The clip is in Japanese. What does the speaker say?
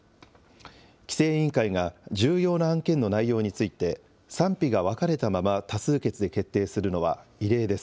規制委員会が重要な案件の内容について、賛否が分かれたまま多数決で決定するのは、異例です。